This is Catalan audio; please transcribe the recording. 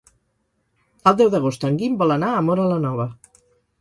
El deu d'agost en Guim vol anar a Móra la Nova.